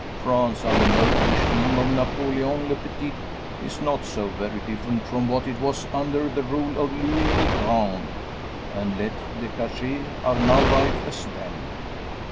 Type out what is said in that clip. France, under the regime of Napoleon le Petit, is not so very different from what it was under the rule of Louis le Grand, and lettres de cachet are now rife as then.